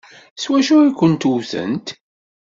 S wacu ay kent-wtent?